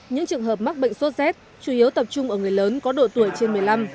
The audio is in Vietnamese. những trường hợp mắc bệnh sốt rét chủ yếu tập trung ở người lớn có độ tuổi trên một mươi năm